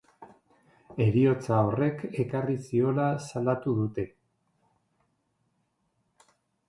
Heriotza horrek ekarri ziola salatu dute.